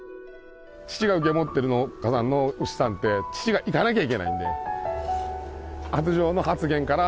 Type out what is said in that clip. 父が受け持っている農家さんの牛さんって父が行かなきゃいけないんで。